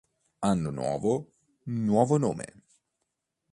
Anno nuovo, nuovo nome".